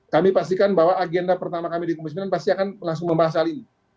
kami pastikan bahwa agenda pertama kami di komisi sembilan pasti akan langsung membahas hal ini